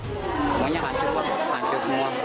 pokoknya hancur hancur semua